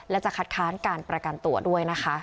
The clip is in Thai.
และจะคัดค้านการประกันตัวด้วยนะคะ